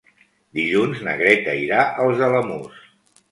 Dilluns na Greta irà als Alamús.